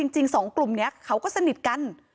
จริงสองกลุ่มนี้เขาก็สนิทกัน